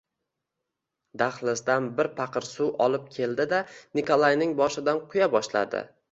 Dahlizdan bir paqir suv olib keldi-da, Nikolayning boshidan quya boshladi